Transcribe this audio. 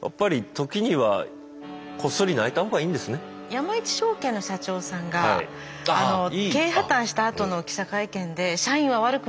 山一證券の社長さんが経営破綻したあとの記者会見で「社員は悪くないんです。